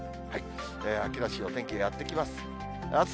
秋らしいお天気がやって来ます。